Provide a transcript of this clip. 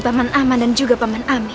paman aman dan juga paman amin